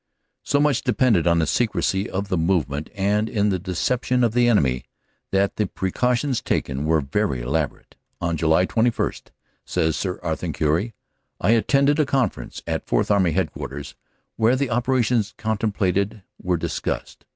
So much depended on the secrecy of the movement and in the deception of the enemy that the precautions taken were very elaborate. "On July 21," says Sir Arthur Currie, "I attended a conference at Fourth Army Headquarters, where the operations contemplated were discussed.